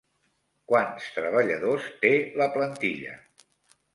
Quants treballadors té la plantilla?